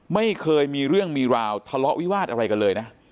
ไม่เคยมีเรื่องมีราวทะเลาะวิวาสอะไรกันเลยนะ